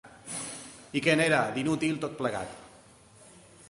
I que n'era, d'inútil, tot plegat